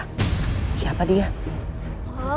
kamu membela seseorang yang bernama manggala